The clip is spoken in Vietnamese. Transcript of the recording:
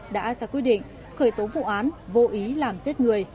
đã ra quyết định khởi tố vụ án vô ý làm chết người